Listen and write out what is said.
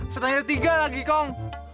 setahun lagi kau